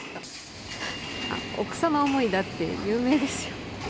奥様思いだって有名ですよ。